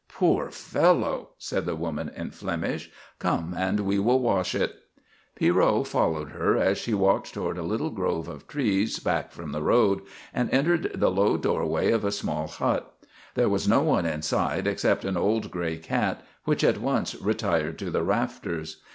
"Poor fellow!" said the woman in Flemish. "Come, and we will wash it." Pierrot followed her as she walked toward a little grove of trees back from the road and entered the low doorway of a small hut. There was no one inside except an old gray cat, which at once retired to the rafters.